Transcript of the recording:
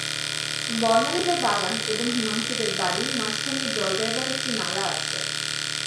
বনমালীদের বাগান এবং হিমাংশুদের বাড়ির মাঝখানে জল যাইবার একটি নালা আছে।